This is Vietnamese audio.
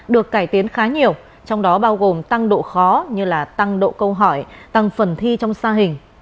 được cải tiến khá nhiều trong đó bao gồm tăng độ khó như là tăng độ câu hỏi tăng phần thi trong sa hình